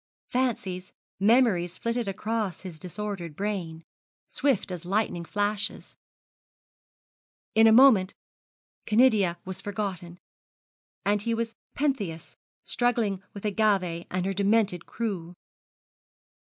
Fancies, memories flitted across his disordered brain, swift as lightning flashes. In a moment Canidia was forgotten, and he was Pentheus, struggling with Agave and her demented crew.